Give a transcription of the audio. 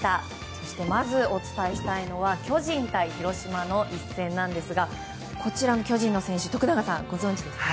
そしてまずお伝えしたいのは巨人対広島の一戦ですがこちらの巨人の選手徳永さん、ご存じですか？